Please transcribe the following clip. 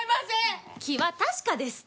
気は確かです。